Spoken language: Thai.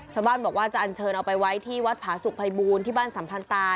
ชาวบ้านบอกว่าจะอันเชิญเอาไปไว้ที่วัดผาสุกภัยบูรณ์ที่บ้านสัมพันตา